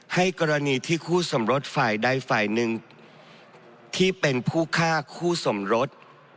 ให้กรณีที่คู่สมรสฝ่ายใดฝ่ายหนึ่งที่เป็นผู้ฆ่าคู่สมรส